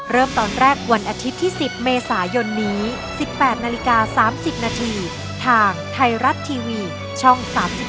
เริ่มตอนแรกวันอาทิตย์ที่๑๐เมษายนนี้๑๘นาฬิกา๓๐นาทีทางไทยรัฐทีวีช่อง๓๒